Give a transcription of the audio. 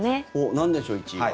なんでしょう、１位は。